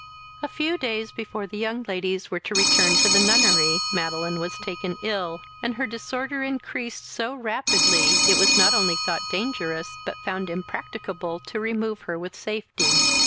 A few days before the young ladies were to return to the nunnery, Madeline was taken ill, and her disorder increased so rapidly, it was not only thought dangerous, but found impracticable to remove her with safety.